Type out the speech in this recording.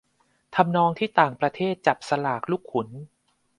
ทำนองที่ต่างประเทศจับสลากลูกขุน